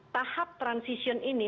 tahap transition ini